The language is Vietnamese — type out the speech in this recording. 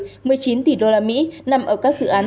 một mươi chín tỷ usd nằm ở các dự án